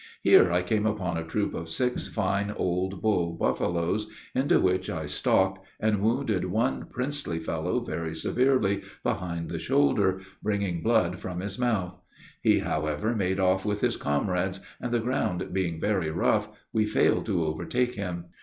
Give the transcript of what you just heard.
Here I came upon a troop of six fine, old bull buffaloes, into which I stalked, and wounded one princely fellow very severely, behind the shoulder, bringing blood from his mouth; he, however, made off with his comrades, and, the ground being very rough, we failed to overtake him.